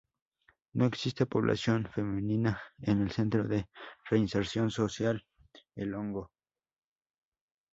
No existe población femenina en el Centro de Reinserción Social El Hongo.